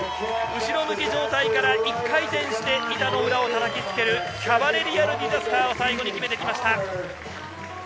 後ろ向き状態から１回転して板の裏をたたきつけるキャバレリアルディザスターを最後に決めてきました。